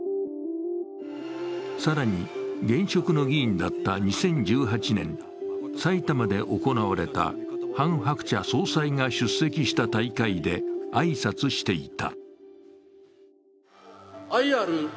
更に現職の議員だった２００８年、埼玉で行われたハン・ハクチャ総裁が出席した大会で挨拶していた。